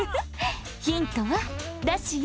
ヒントはなしよ。